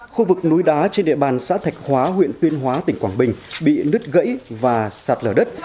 khu vực núi đá trên địa bàn xã thạch hóa huyện tuyên hóa tỉnh quảng bình bị nứt gãy và sạt lở đất